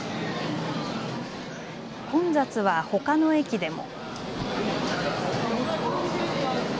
混雑はほかの駅でも。